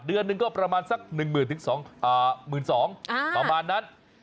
เดือนหนึ่งก็ประมาณสัก๑๐๐๐๒๐๐ประมาณนั้น